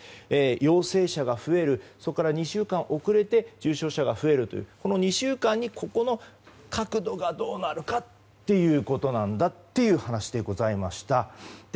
陽性者が増えるそこから２週間遅れて重症者が増えるというこの２週間に、グラフの角度がどうなるかということなんだという話でございました。